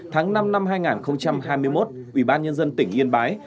tháng năm năm hai nghìn hai mươi một ủy ban nhân dân tỉnh yên bái